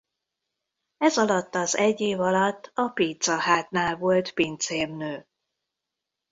Ezalatt az egy év alatt a Pizza Hut-nál volt pincérnő.